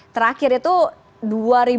terakhir itu dua ribu tujuh ya